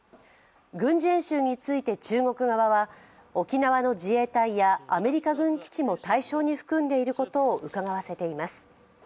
軍事演習について中国側は沖縄の自衛隊やアメリカ軍基地も対象に含んでいることをうかがわせています。